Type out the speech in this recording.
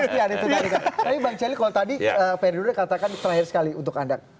tapi bang celi kalau tadi pak erdo katakan terakhir sekali untuk anda